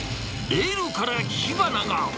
レールから火花が。